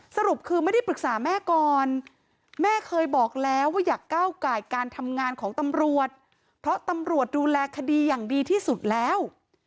สรุปคือไม่ได้ปรึกษาแม่ก่อนแม่เคยบอกแล้วว่าอยากก้าวไก่การทำงานของตำรวจเพราะตำรวจดูแลคดีอย่างดีที่สุดแล้ว